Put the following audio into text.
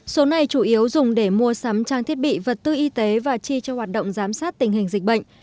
số này chủ yếu dùng để mua sắm trang thiết bị vật tư y tế và chi cho hoạt động giám sát tình hình dịch bệnh